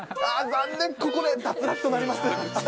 残念、ここで脱落となります。